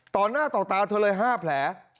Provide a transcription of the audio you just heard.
ต่อหน้าต่อตาเธอเลย๕แผล